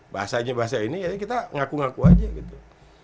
bahasanya bahasa ini ya kita ngaku ngaku aja gitu